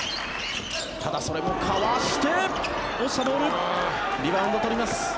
ただ、それもかわして落ちたボールリバウンド、取ります。